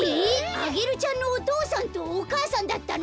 アゲルちゃんのおとうさんとおかあさんだったの！？